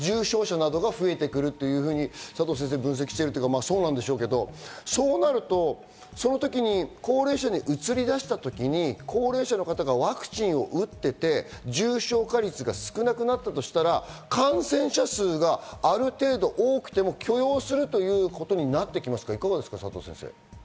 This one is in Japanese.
そこから重症者などが増えてくるというふうに分析しているというかそうなんでしょうけど、そうなるとその時に高齢者にうつりだした時に、高齢者の方がワクチンを打っていて、重症化率が少なくなったとしたら感染者数がある程度多くても許容するということになってきますか？